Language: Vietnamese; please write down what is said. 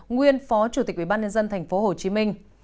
nguyên phó chủ tịch ubnd tp hcm